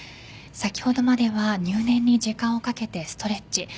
先ほどまでは入念に時間をかけてストレッチ。